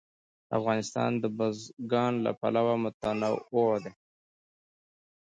افغانستان د بزګان له پلوه متنوع دی.